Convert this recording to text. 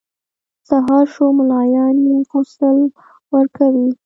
سهار شو ملایان یې غسل ورکوي.